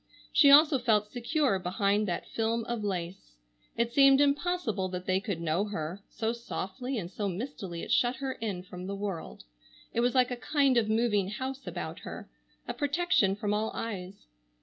She also felt secure behind that film of lace. It seemed impossible that they could know her, so softly and so mistily it shut her in from the world. It was like a kind of moving house about her, a protection from all eyes.